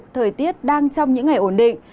thời tiết đang trong những ngày ổn định